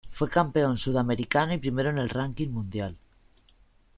Fue campeón sudamericano y primero en el ranking mundial.